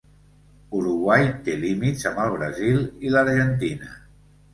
Uruguai té límits amb el Brasil i l'Argentina.